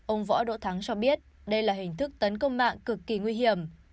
ông võ đỗ thắng cho biết đây là hình thức tấn công mạng cực kỳ nguy hiểm